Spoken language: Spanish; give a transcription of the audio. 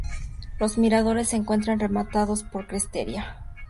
Los miradores se encuentran rematados por crestería.